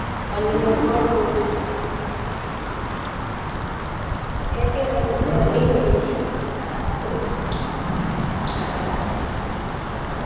Alienda kwao mwezi uliopita.